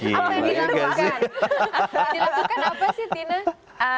dilakukan apa sih tina